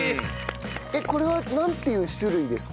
これはなんていう種類ですか？